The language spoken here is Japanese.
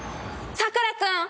「佐倉君！」